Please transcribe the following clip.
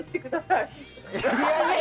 いやいや。